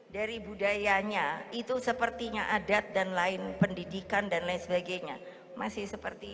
dari budayanya itu sepertinya adat dan lain pendidikan dan lain sebagainya masih seperti